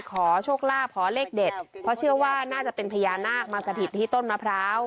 ขอโชคลาภขอเลขเด็ดเพราะเชื่อว่าน่าจะเป็นพญานาคมาสถิตที่ต้นมะพร้าว